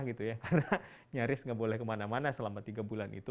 karena nyaris tidak boleh kemana mana selama tiga bulan itu